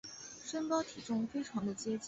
身高体重非常的接近